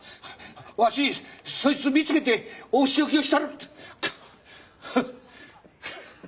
わしそいつ見つけてお仕置きをしたる！